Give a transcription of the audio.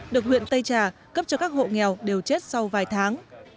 được huyện tây trà cấp cho các hộ nghèo đều chết sau vài tháng